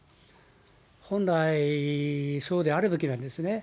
本来そうであるべきなんですね。